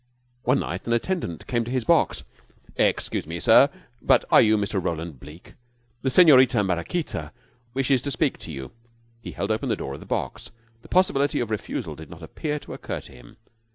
One night an attendant came to his box. "Excuse me, sir, but are you Mr. Roland Bleke? The Senorita Maraquita wishes to speak to you." He held open the door of the box. The possibility of refusal did not appear to occur to him.